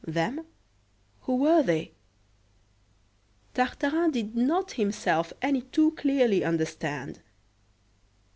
"Them"? who were they? Tartarin did not himself any too clearly understand.